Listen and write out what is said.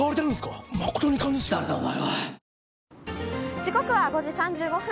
時刻は５時３５分。